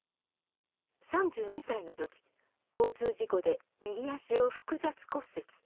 ３２歳の時交通事故で右足を複雑骨折。